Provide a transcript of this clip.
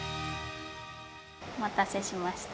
お待たせしました。